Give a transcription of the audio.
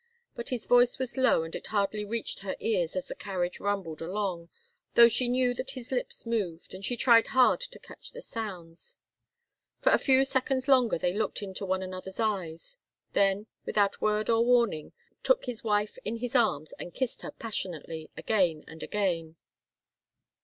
But his voice was low, and it hardly reached her ears as the carriage rumbled along, though she knew that his lips moved, and she tried hard to catch the sounds. For a few seconds longer they looked into one another's eyes. Then, without word or warning, Ralston took his wife in his arms and kissed her passionately again and again.